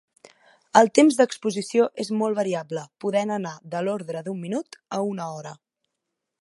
El temps d'exposició és molt variable, podent anar de l'ordre d'un minut a una hora.